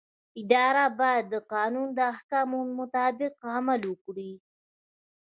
اداره باید د قانون د احکامو مطابق عمل وکړي.